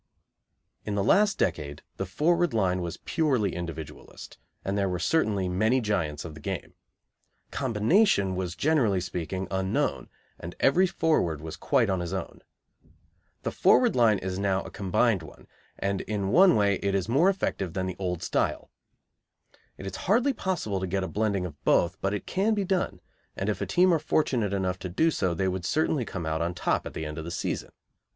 In the last decade the forward line was purely individualist, and there were certainly many giants of the game. Combination was, generally speaking, unknown, and every forward was quite on his own. The forward line is now a combined one, and in one way it is more effective than the old style. It is hardly possible to get a blending of both, but it can be done, and if a team are fortunate enough to do so they would certainly come out on top at the end of the season.